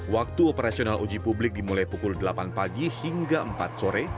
waktu operasional uji publik dimulai pukul delapan pagi hingga empat sore